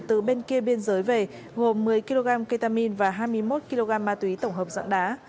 từ bên kia biên giới về gồm một mươi kg ketamin và hai mươi một kg ma túy tổng hợp dạng đá